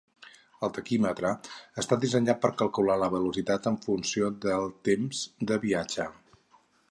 El taquímetre està dissenyat per calcular la velocitat en funció del temps de viatge.